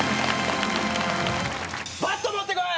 バット持ってこい！